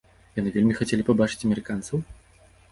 Яны вельмі хацелі пабачыць амерыканцаў?